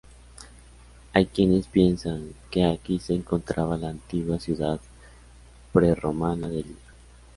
Hay quienes piensan que aquí se encontraba la antigua ciudad prerromana de Lir.